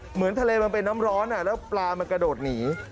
เหมือนทะเลมันเป็นน้ำร้อนแล้วปลามันกระโดดหนี